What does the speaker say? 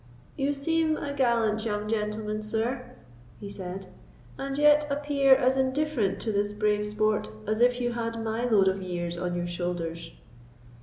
"You seem a gallant young gentleman, sir," he said, "and yet appear as indifferent to this brave sport as if you had my load of years on your shoulders."